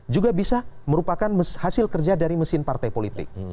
juga bisa merupakan hasil kerja dari mesin partai politik